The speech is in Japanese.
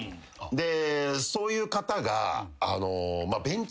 でそういう方が。